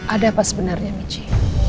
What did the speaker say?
ada apa sebenarnya michi